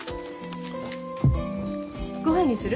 ごはんにする？